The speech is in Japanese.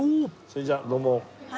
それじゃあどうも。